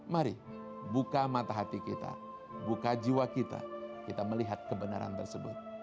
mari buka mata hati kita buka jiwa kita kita melihat kebenaran tersebut